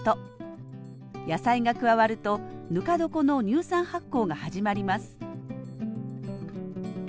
野菜が加わるとぬか床の乳酸発酵が始まります